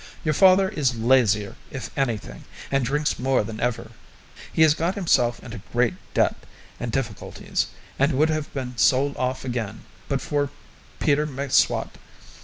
Your father is lazier if anything, and drinks more than ever. He has got himself into great debt and difficulties, and would have been sold off again but for Peter M'Swat.